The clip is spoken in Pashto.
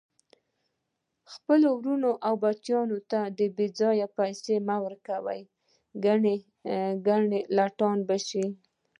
خپلو ورونو او بچیانو ته بیځایه پیسي مه ورکوئ، کنه لټان به شي